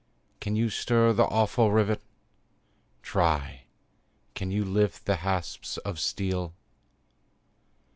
can you stir the awful rivet? Try! can you lift the hasps of steel?